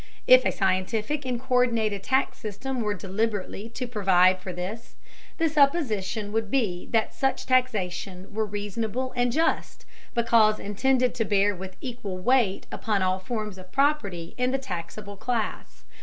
If a scientific and co÷rdinated tax system were deliberately to provide for this, the supposition would be that such taxation were reasonable and just, because intended to bear with equal weight upon all forms of property in the taxable class.